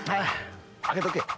挙げとけ。